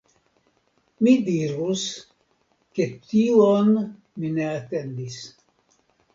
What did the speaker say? Mi dirus, ke tion mi ne atendis.